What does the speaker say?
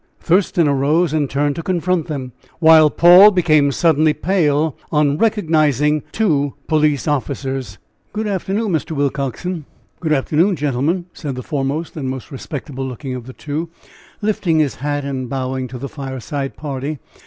Thurston arose and turned to confront them, while Paul became suddenly pale on recognizing two police officers. "Good afternoon, Mr. Willcoxen good afternoon, gentlemen," said the foremost and most respectable looking of the two, lifting his hat and bowing to the fireside party.